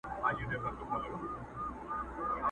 لا د نمرودي زمانې لمبې د اور پاته دي،